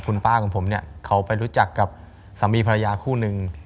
คุณป้าของผมเนี่ยเขาไปรู้จักกับสามีภรรยาคู่นึง